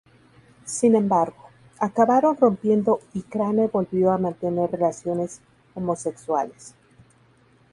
Sin embargo, acabaron rompiendo y Crane volvió a mantener relaciones homosexuales.